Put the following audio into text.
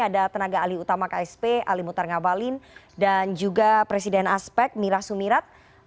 ada tenaga ali utama ksp ali mutar ngabalin dan juga presiden aspek mira sumirat